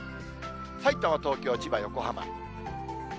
さいたま、東京、千葉、横浜。